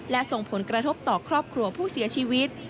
และส่งผลกระทบต่อครอบครัวผู้เสียชีวิต